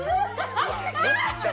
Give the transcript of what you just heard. あっ！